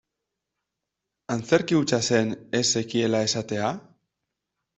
Antzerki hutsa zen ez zekiela esatea?